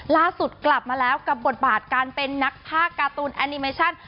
ล่าสุดกลับมาแล้วกับบทบาทการเป็นนักภาคการ์ตูนแอนิเมชั่น